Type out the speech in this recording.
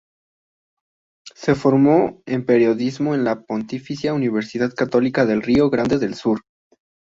Se formó en periodismo en la Pontificia Universidad Católica del Río Grande del Sur.